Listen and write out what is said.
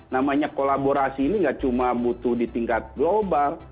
namanya kolaborasi ini nggak cuma butuh di tingkat global